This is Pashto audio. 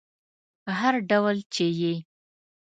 هر ډول چې یې